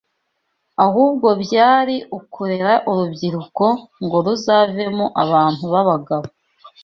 Ahubwo byari ukurera urubyiruko ngo ruzavemo abantu b’abagabo